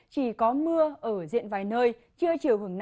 chỉ có mưa ở diện vài nơi chưa chịu hưởng nắng